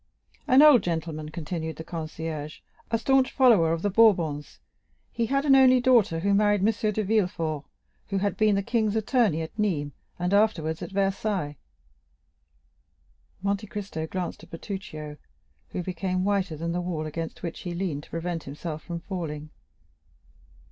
"An old gentleman," continued the concierge, "a staunch follower of the Bourbons; he had an only daughter, who married M. de Villefort, who had been the king's attorney at Nîmes, and afterwards at Versailles." Monte Cristo glanced at Bertuccio, who became whiter than the wall against which he leaned to prevent himself from falling.